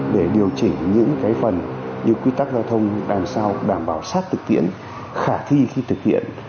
để điều chỉnh những cái phần những quy tắc giao thông đảm sao đảm bảo sát thực tiện khả thi khi thực tiện